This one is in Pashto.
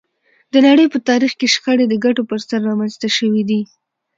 د نړۍ په تاریخ کې شخړې د ګټو پر سر رامنځته شوې دي